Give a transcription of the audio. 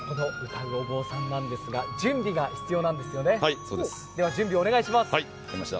歌うお坊さんですが、準備が必要なんですよね、お願いします。